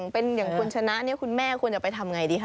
เป็นอย่างคุณชนะเนี่ยคุณแม่ควรจะไปทำไงดีคะ